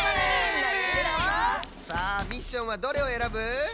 さあミッションはどれをえらぶ？